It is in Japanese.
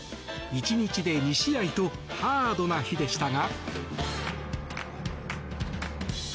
１日で２試合とハードな日でしたが。